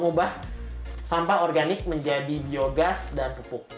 mengubah sampah organik menjadi biogas dan pupuk